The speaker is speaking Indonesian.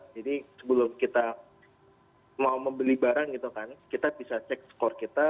jadi sebelum kita mau membeli barang gitu kan kita bisa cek skor kita